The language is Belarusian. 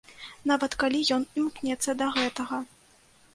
Нават калі ён імкнецца да гэтага.